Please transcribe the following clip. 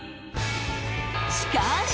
［しかーし！